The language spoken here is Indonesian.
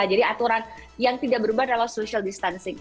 jadi aturan yang tidak berubah adalah social distancing